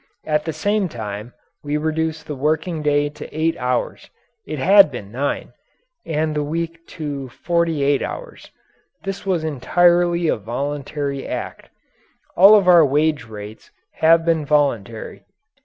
At the same time we reduced the working day to eight hours it had been nine and the week to forty eight hours. This was entirely a voluntary act. All of our wage rates have been voluntary.